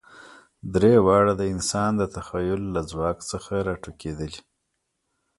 درې واړه د انسان د تخیل له ځواک څخه راټوکېدلي.